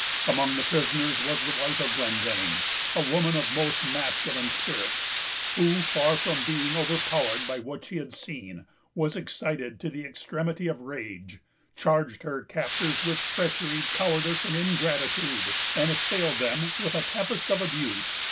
Among the prisoners was the wife of Glendenning, a woman of a most masculine spirit, who, far from being overpowered by what she had seen, was excited to the extremity of rage, charged her captors with treachery, cowardice, and ingratitude, and assailed them with a tempest of abuse.